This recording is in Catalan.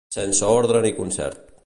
Sense ordre ni concert.